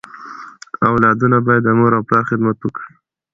اولادونه بايد د مور او پلار خدمت وکړي.